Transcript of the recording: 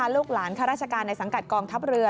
ลูกหลานข้าราชการในสังกัดกองทัพเรือ